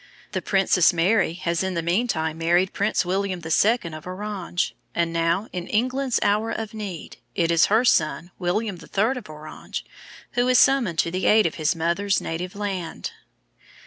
The Princess Mary has in the mean time married Prince William II. of Orange, and now, in England's hour of need, it is her son, William III. of Orange, who is summoned to the aid of his mother's native land.